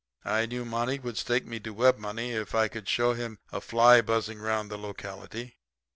I knew Monty would stake me to web money if I could show him a fly buzzing 'round the locality.